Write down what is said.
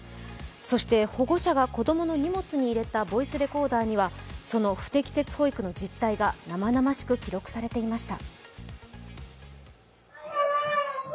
そして保護者が子供の荷物に入れたボイスレコーダーにはその不適切保育の実態が生々しく記録されていました。